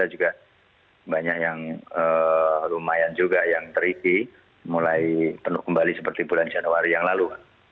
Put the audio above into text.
jadi juga banyak yang lumayan juga yang terik mulai penuh kembali seperti bulan januari yang lalu